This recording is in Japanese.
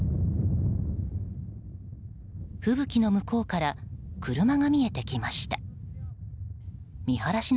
吹雪の向こうから車が見えてきました。